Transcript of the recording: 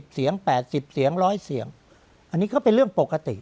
เสียง๘๐เสียง๑๐๐เสียงอันนี้ก็เป็นเรื่องปกติ